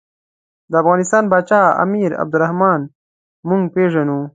د افغانستان پاچا امیر عبدالرحمن موږ پېژنو.